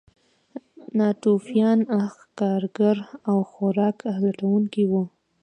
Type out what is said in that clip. ناتوفیان ښکارګر او خوراک لټونکي وو.